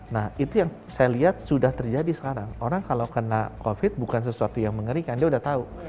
nah itu yang saya lihat sudah terjadi sekarang orang kalau kena covid bukan sesuatu yang mengerikan dia sudah tahu